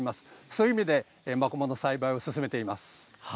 そういう意味でマコモの栽培を進めています。